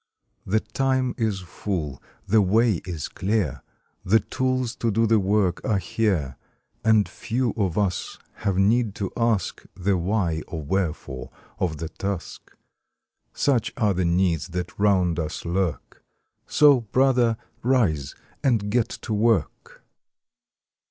The time is full, the way is clear, The tools to do the work are here. And few of us have need to ask The why or wherefore of the task, Such are the needs that round us lurk So, Brother, rise, and get to work!